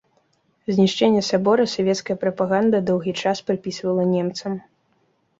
Знішчэнне сабора савецкая прапаганда доўгі час прыпісвала немцам.